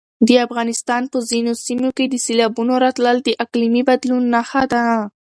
د افغانستان په ځینو سیمو کې د سېلابونو راتلل د اقلیمي بدلون نښه ده.